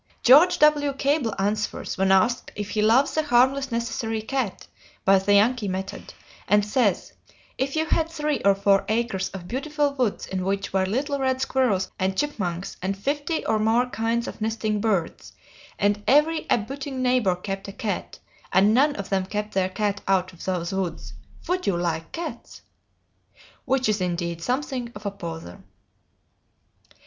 George W. Cable answers, when asked if he loves the "harmless, necessary cat," by the Yankee method, and says, "If you had three or four acres of beautiful woods in which were little red squirrels and chipmunks and fifty or more kinds of nesting birds, and every abutting neighbor kept a cat, and none of them kept their cat out of those woods would you like cats?" which is, indeed, something of a poser.